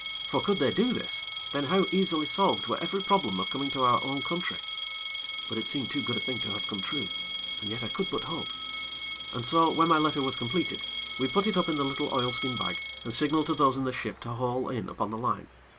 For could they do this, then how easily solved were every problem of coming to our own country. But it seemed too good a thing to have come true, and yet I could but hope. And so, when my letter was completed, we put it up in the little oilskin bag, and signaled to those in the ship to haul in upon the line.